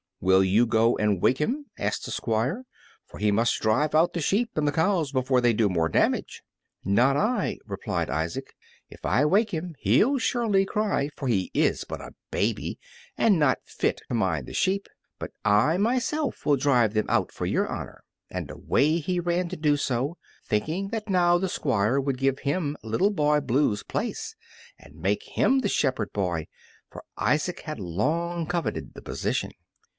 "Will you go and wake him?" asked the Squire; "for he must drive out the sheep and the cows before they do more damage." "Not I," replied Isaac, "if I wake him he'll surely cry, for he is but a baby, and not fit to mind the sheep. But I myself will drive them out for your honor," and away he ran to do so, thinking that now the Squire would give him Little Boy Blue's place, and make him the shepherd boy, for Isaac had long coveted the position.